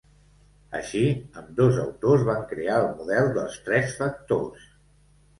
Així ambdós autors van crear el Model dels Tres Factors.